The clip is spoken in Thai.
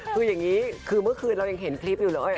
คืออย่างนี้คือเมื่อคืนเรายังเห็นคลิปอยู่เลย